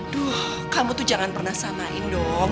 duh kamu tuh jangan pernah sanain dong